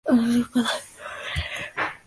Cand.theol., Cand.arch.